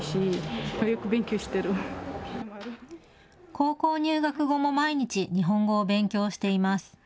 高校入学後も毎日、日本語を勉強しています。